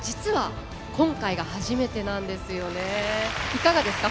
いかがですか？